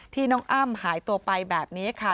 น้องอ้ำหายตัวไปแบบนี้ค่ะ